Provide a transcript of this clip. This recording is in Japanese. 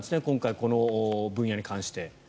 今回、この分野に関して。